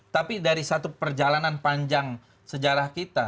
tapi dari satu perjalanan panjang sejarah kita